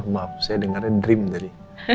maaf saya dengarnya dream tadi